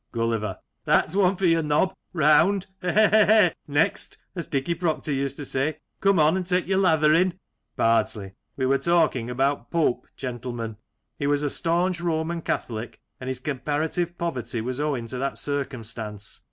Gulliver: That's one for your knob. Round, he! he! "Next," as Dicky Procter used to say, "come on and take your lathering." Bardsley: We were talking about Pope, gentlemen. 124 Lancashire Characters and Places. He was a staunch Roman Catholic, and his comparative poverty was owing to that circumstance.